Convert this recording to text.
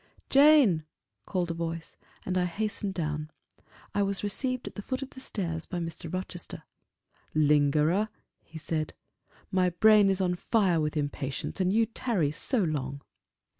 "Jane!" called a voice, and I hastened down. I was received at the foot of the stairs by Mr. Rochester. "Lingerer," he said, "my brain is on fire with impatience; and you tarry so long!"